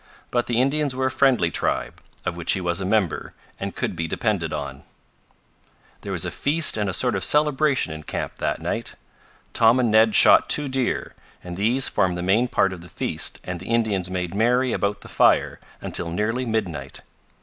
But the Indians were a friendly tribe, of which he was a member, and could be depended on. There was a feast and a sort of celebration in camp that night. Tom and Ned shot two deer, and these formed the main part of the feast and the Indians made merry about the fire until nearly midnight.